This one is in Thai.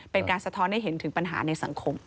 สะท้อนให้เห็นถึงปัญหาในสังคม